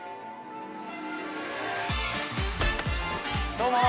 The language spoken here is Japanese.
どうも！